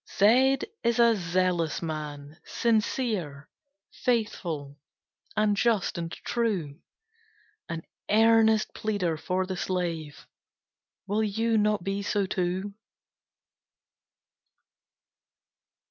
Z Z is a Zealous man, sincere, Faithful, and just, and true; An earnest pleader for the slave Will you not be so too?